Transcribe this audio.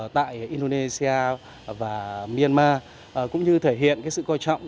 tại indonesia và myanmar cũng như thể hiện sự coi trọng